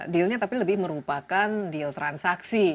dealnya tapi lebih merupakan deal transaksi